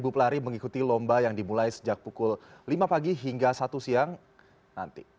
tujuh pelari mengikuti lomba yang dimulai sejak pukul lima pagi hingga satu siang nanti